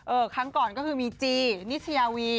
ครั้งก่อนก็คือมีจีนิชยาวี